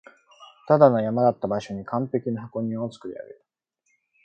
ただの山だった場所に完璧な箱庭を造り上げた